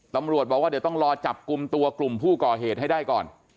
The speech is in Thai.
ตำรวจบอกว่าเดี๋ยวต้องรอจับกลุ่มตัวกลุ่มผู้ก่อเหตุให้ได้ก่อน